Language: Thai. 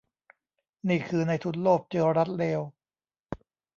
นี่คือนายทุนโลภเจอรัฐเลว